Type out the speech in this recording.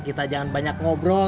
kita jangan banyak ngobrol